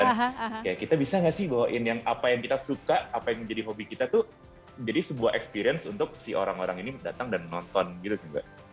kayak kita bisa gak sih bawain yang apa yang kita suka apa yang menjadi hobi kita tuh jadi sebuah experience untuk si orang orang ini datang dan nonton gitu sih mbak